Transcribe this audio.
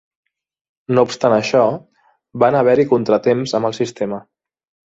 No obstant això, van haver-hi contratemps amb el sistema.